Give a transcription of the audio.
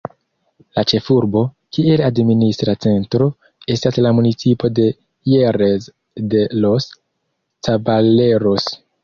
La ĉefurbo, kiel administra centro, estas la municipo de Jerez de los Caballeros.